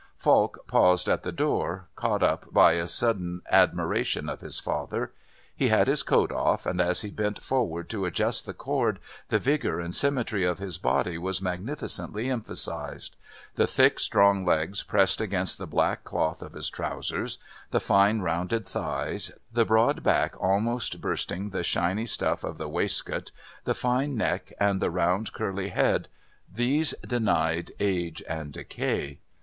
Falk paused at the door, caught up by a sudden admiration of his father. He had his coat off, and as he bent forward to adjust the cord the vigour and symmetry of his body was magnificently emphasized. The thick strong legs pressed against the black cloth of his trousers, the fine rounded thighs, the broad back almost bursting the shiny stuff of the waistcoat, the fine neck and the round curly head, these denied age and decay.